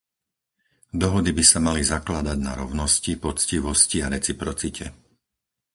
Dohody by sa mali zakladať na rovnosti, poctivosti a reciprocite.